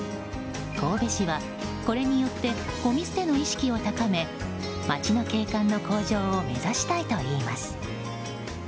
神戸市は、これによってごみ捨ての意識を高め街の景観の向上を目指したいといいます。